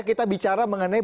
kita bicara mengenai